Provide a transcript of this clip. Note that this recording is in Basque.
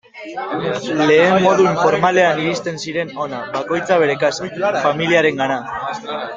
Lehen modu informalean iristen ziren hona, bakoitza bere kasa, familiarengana...